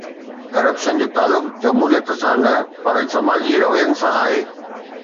Corruption جو تعلق جمهوريت سان نه پر سماجي روين سان آهي.